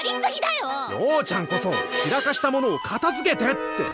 ようちゃんこそ散らかしたものを片づけてって！